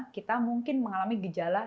kita mungkin mengalami gejala